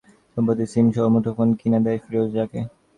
কথা বলার সুবিধার জন্য মুসা সম্প্রতি সিমসহ একটি মুঠোফোন কিনে দেন ফিরোজাকে।